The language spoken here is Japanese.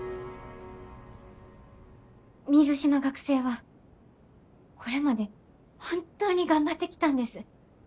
水島学生はこれまで本当に頑張ってきたんです。